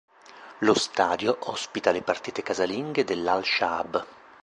Lo stadio ospita le partite casalinghe dell'Al-Shaab.